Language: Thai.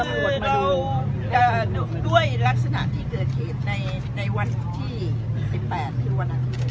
คือเราด้วยลักษณะที่เกิดเขตในวันที่สิบแปดที่วันนั้น